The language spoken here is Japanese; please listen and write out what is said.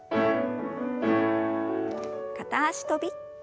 片脚跳び。